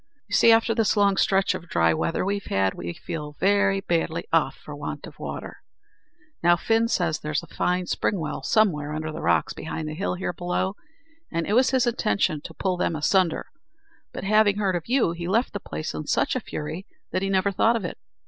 You see, after this long stretch of dry weather we've had, we feel very badly off for want of water. Now, Fin says there's a fine spring well somewhere under the rocks behind the hill here below, and it was his intention to pull them asunder; but having heard of you, he left the place in such a fury, that he never thought of it.